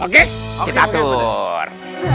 oke kita atur